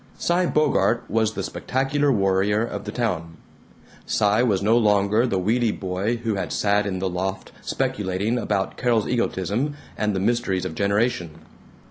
Cy Bogart was the spectacular warrior of the town. Cy was no longer the weedy boy who had sat in the loft speculating about Carol's egotism and the mysteries of generation.